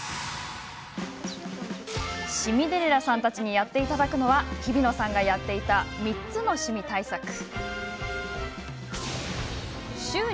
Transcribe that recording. シミデレラさんたちにやっていただくのは日比野さんがやっていた３つのシミ対策。